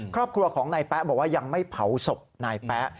ครอบครัวของนายแป๊ะบอกว่ายังไม่เผาศพนายแป๊ะ